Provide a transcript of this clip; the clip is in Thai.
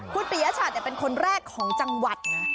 คุณปียชัดเป็นคนแรกของจังหวัดนะ